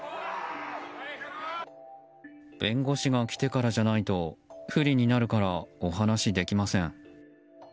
弁護士が来てからじゃないと不利になるからお話しできません。